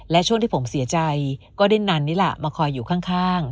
และช่วงที่ผมเสียใจก็ได้นันนี่แหละมาคอยอยู่ข้าง